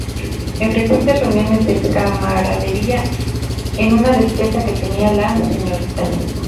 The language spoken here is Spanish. En frecuentes reuniones de camaradería, en una despensa que tenia la Sra.